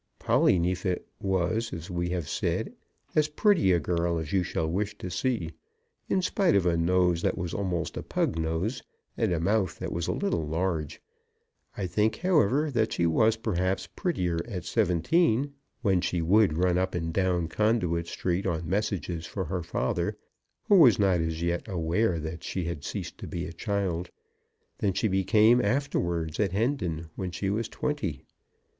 Polly Neefit was, as we have said, as pretty a girl as you shall wish to see, in spite of a nose that was almost a pug nose, and a mouth that was a little large. I think, however, that she was perhaps prettier at seventeen, when she would run up and down Conduit Street on messages for her father, who was not as yet aware that she had ceased to be a child, than she became afterwards at Hendon, when she was twenty.